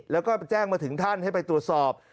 แล้วก็แจ้งมาถึงท่านให้ไปตรวจสอบ